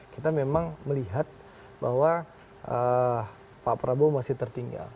kita memang melihat bahwa pak prabowo masih tertinggal